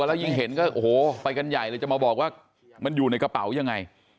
แล้วยิ่งเห็นก็โอ้โหไปกันใหญ่เลยจะมาบอกว่ามันอยู่ในกระเป๋ายังไง